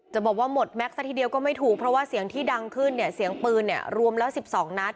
จะบอกว่าหมดแม็กซซะทีเดียวก็ไม่ถูกเพราะว่าเสียงที่ดังขึ้นเนี่ยเสียงปืนเนี่ยรวมแล้ว๑๒นัด